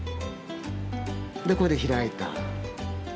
でこれで開いた。